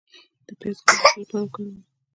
د پیاز ګل د څه لپاره وکاروم؟